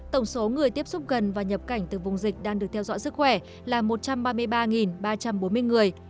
tổng số người tiếp xúc gần và nhập cảnh từ vùng dịch đang được theo dõi sức khỏe là một trăm ba mươi ba ba trăm bốn mươi người